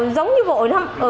giống như vội lắm